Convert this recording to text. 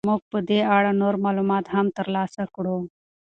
موږ به په دې اړه نور معلومات هم ترلاسه کړو.